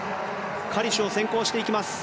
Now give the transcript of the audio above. カリシュを先行していきます。